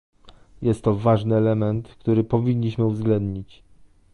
Jest to ważny element, który powinniśmy uwzględnić